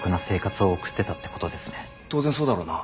当然そうだろうな。